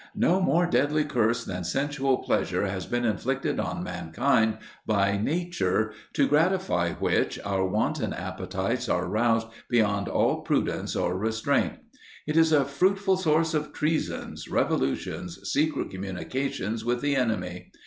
"No more deadly curse than sensual pleasure has been inflicted on mankind by nature, to gratify which our wanton appetites are roused beyond all prudence or restraint. It is a fruitful source of treasons, revolutions, secret communications with the enemy.